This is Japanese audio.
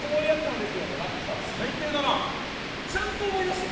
ちゃんと思い出して。